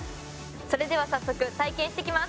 それでは、早速体験してきます。